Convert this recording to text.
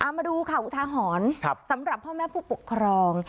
มาดูข่าวอุทาหรณ์สำหรับพ่อแม่ผู้ปกครอง